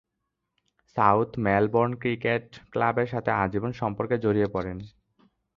South Melbourne cricket ক্লাবের সাথে আজীবন সম্পর্কে জড়িয়ে পড়েন।